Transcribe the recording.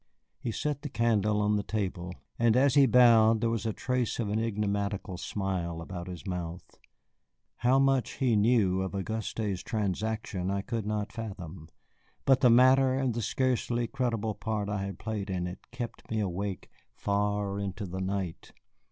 He set the candle on the table, and as he bowed there was a trace of an enigmatical smile about his mouth. How much he knew of Auguste's transaction I could not fathom, but the matter and the scarcely creditable part I had played in it kept me awake far into the night.